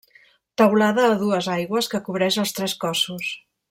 Teulada a dues aigües, que cobreix els tres cossos.